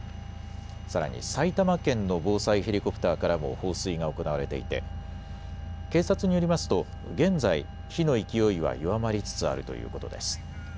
さらに埼玉県の防災ヘリコプターからも放水が行われていて警察によりますと現在火の勢いは弱まりつつあるということです。